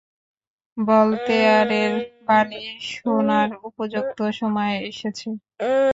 ভলতেয়ারের বাণী শোনার উপযুক্ত সময়ে এসেছো।